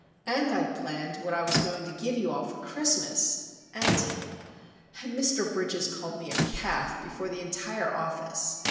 And I'd planned what I was going to give you all for Christmas,—and—and Mr. Bridges called me a calf before the entire office!